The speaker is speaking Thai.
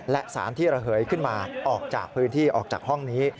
และสารที่ระเหยขึ้นมาออกจากพื้นที่ออกจากห้องนี้